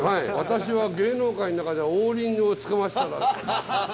私は芸能界の中ではオリンギをつかませたら。